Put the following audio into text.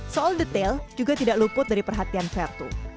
soal detail juga tidak luput dari perhatian vertu